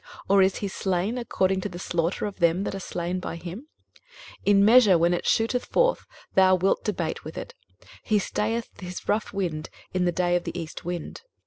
or is he slain according to the slaughter of them that are slain by him? 23:027:008 In measure, when it shooteth forth, thou wilt debate with it: he stayeth his rough wind in the day of the east wind.